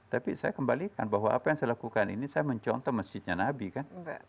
tapi saya kembalikan bahwa apa yang saya lakukan ini saya mencontoh masjidnya nabi kan